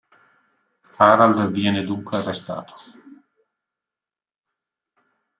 Harald viene dunque arrestato.